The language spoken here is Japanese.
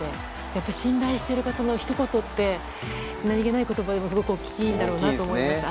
やっぱり信頼している人のひと言って何気ない言葉でもすごく大きいんだろうなと思いました。